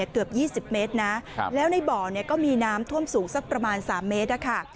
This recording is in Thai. เกือบ๒๐เมตรนะแล้วในบ่อก็มีน้ำท่วมสูงสักประมาณ๓เมตรนะคะ